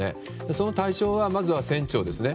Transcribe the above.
その対象はまずは船長ですね。